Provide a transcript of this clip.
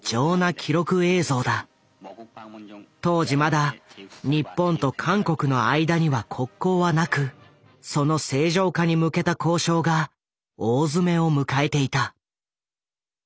当時まだ日本と韓国の間には国交はなくその正常化に向けた交渉が大詰めを迎えていた。